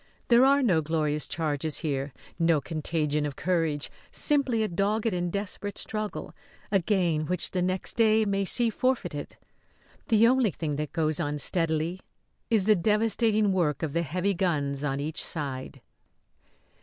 There are no glorious charges here, no contagion of courage; simply a dogged and desperate struggle a gain which the next day may see forfeited. The only thing that goes on steadily is the devastating work of the heavy guns on each side.